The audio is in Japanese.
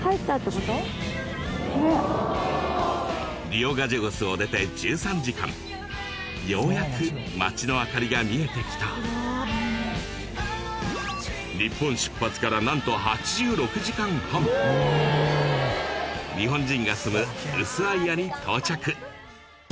リオガジェゴスを出て１３時間ようやく町の明かりが見えてきた日本出発からなんと８６時間半日本人が住むウスアイアに到着